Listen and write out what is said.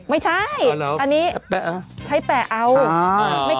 ไม่ใช่อันนี้ใช้แปะเอา